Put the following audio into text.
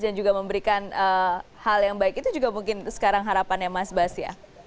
dan juga memberikan hal yang baik itu juga mungkin sekarang harapannya mas bas ya